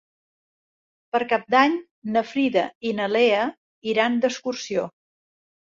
Per Cap d'Any na Frida i na Lea iran d'excursió.